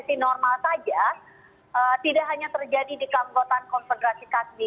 di posisi normal saja tidak hanya terjadi di anggota konsegrasi kasus